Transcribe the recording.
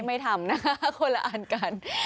ไม่ทำนะคะคนละอันกัน